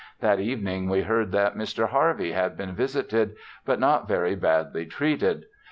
That evening we heard that Mr. Harvey had been visited, but not very badly treated.